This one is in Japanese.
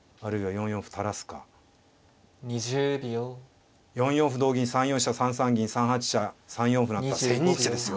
４四歩同銀３四飛車３三銀３八飛車３四歩なんか千日手ですよ。